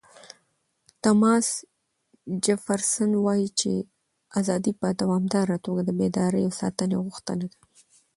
تاماس جفرسن وایي چې ازادي په دوامداره توګه د بیدارۍ او ساتنې غوښتنه کوي.